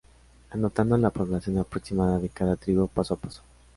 Anotando la población aproximada de cada "tribu", paso a paso.